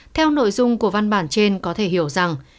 theo nội dung của văn bản trên có thể hiểu rằng